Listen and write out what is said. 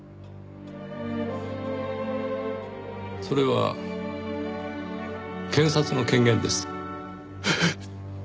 それは検察の権限です。